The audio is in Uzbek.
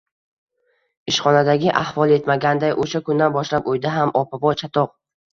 Ishxonadagi ahvol yetmaganday, o'sha kundan boshlab uyda ham ob-havo chatoq